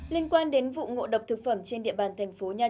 liên quan đến vụ ngộ độc thực phẩm trên địa bàn tp nha trang